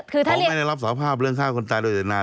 คือเขาไม่ได้รับสภาพเรื่องฆ่าคนตายโดยเจตนา